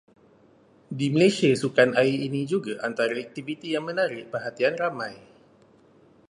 Di Malaysia sukan air ini juga antara aktiviti yang menarik perhatian ramai.